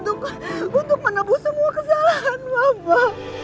untuk menepu semua kesalahan mama